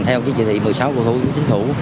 theo chí thị một mươi sáu của chính phủ